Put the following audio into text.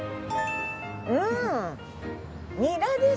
うんニラです！